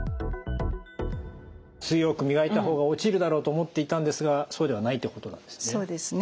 強く磨いた方が落ちるだろうと思っていたんですがそうではないってことなんですね。